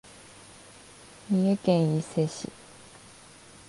三重県伊勢市